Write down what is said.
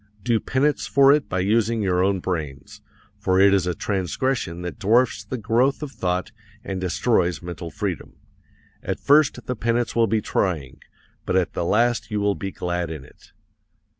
Do penance for it by using your own brains, for it is a transgression that dwarfs the growth of thought and destroys mental freedom. At first the penance will be trying but at the last you will be glad in it.